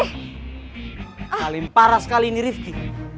halim parah sekali ini rifki